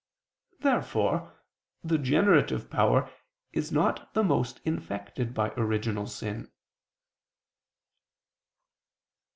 Therefore the generative power is not the most infected by original sin.